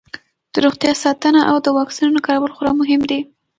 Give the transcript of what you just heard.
د روغتیا ساتنه او د واکسینونو کارول خورا مهم دي.